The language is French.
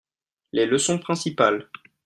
Les leçons principales.